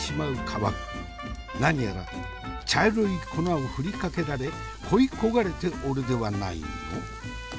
何やら茶色い粉を振りかけられ恋い焦がれておるではないの。